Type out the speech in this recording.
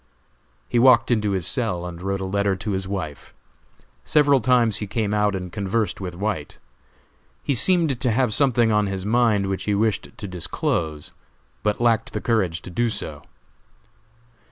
He walked into his cell and wrote a letter to his wife. Several times he came out and conversed with White. He seemed to have something on his mind which he wished to disclose, but lacked the courage to do so.